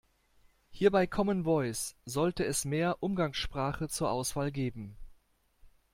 Hier bei Common Voice sollte es mehr Umgangssprache zur Auswahl geben.